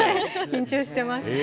緊張してます。